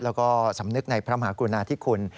แล้วก็สำนึกในพระมหากรุณาธิคุณ